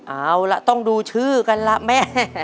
เอาล่ะต้องดูชื่อกันล่ะแม่